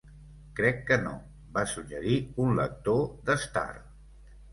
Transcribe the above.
Crec que no, va suggerir un lector d'Star.